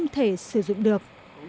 để sử dụng được